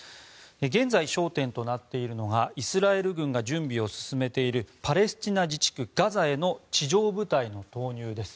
現在、焦点となっているのがイスラエル軍が準備を進めているパレスチナ自治区ガザへの地上部隊の投入です。